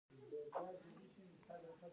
افغانستان د لوگر لپاره مشهور دی.